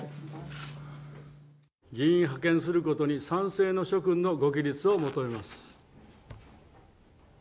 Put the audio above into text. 議員派遣することに賛成の諸君のご起立を求めます。